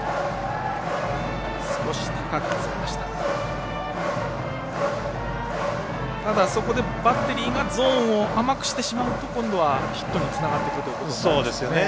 ただ、そこでバッテリーがゾーンを甘くしてしまうと今度はヒットにつながってくるということになるんですね。